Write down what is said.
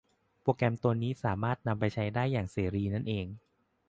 โปรแกรมตัวนี้สามารถนำไปใช้ได้อย่างเสรีนั้นเอง